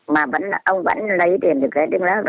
mà ông vẫn lấy tiền được